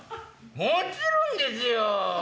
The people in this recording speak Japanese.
もちろんですよ。